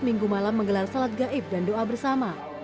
minggu malam menggelar salat gaib dan doa bersama